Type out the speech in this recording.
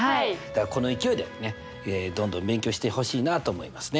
この勢いでどんどん勉強してほしいなと思いますね！